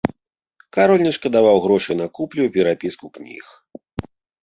Кароль не шкадаваў грошай на куплю і перапіску кніг.